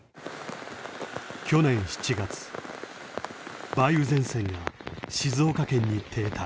去年７月梅雨前線が静岡県に停滞。